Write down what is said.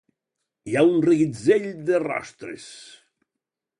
Hi ha un reguitzell de rostres.